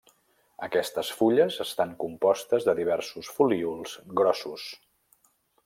Aquestes fulles estan compostes de diversos folíols grossos.